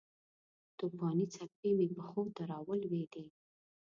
توپانې څپې مې پښو ته راولویدې